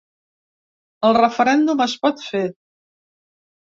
El referèndum es pot fer.